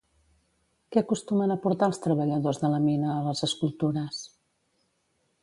Què acostumen a portar els treballadors de la mina a les escultures?